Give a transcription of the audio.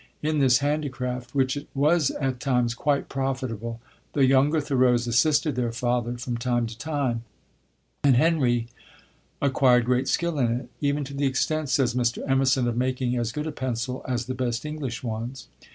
In this handicraft, which was at times quite profitable, the younger Thoreaus assisted their father from time to time, and Henry acquired great skill in it; even to the extent, says Mr. Emerson, of making as good a pencil as the best English ones.